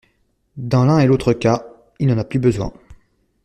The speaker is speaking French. Dans l'un et l'autre cas, il n'en a plus besoin.